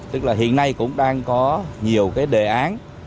tức là hiện nay cũng đang có nhiều cái đề án